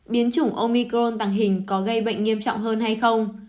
biến chủng omicron tàng hình có gây bệnh nghiêm trọng hơn hay không